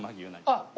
あっ！